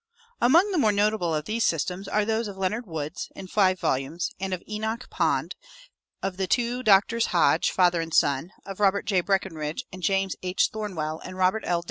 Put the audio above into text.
Among the more notable of these systems are those of Leonard Woods (in five volumes) and of Enoch Pond; of the two Drs. Hodge, father and son; of Robert J. Breckinridge and James H. Thornwell and Robert L.